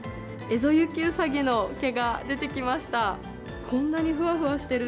エゾユキウサギの毛が出てきました。